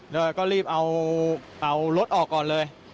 แล้วก็รีบเอารถออกก่อนเลย